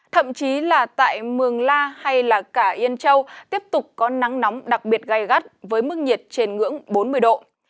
thậm chí là tại mường la hay cả yên châu tiếp tục có nắng nóng đặc biệt gai gắt với mức nhiệt trên ngưỡng bốn mươi độ